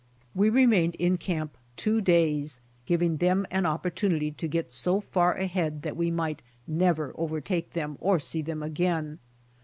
We remained in camp two days, giving them an opportun ity to get so far ahead that we might never overtake them or see them again.